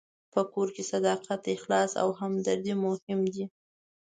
په کور کې صداقت، اخلاص او همدردي مهم دي.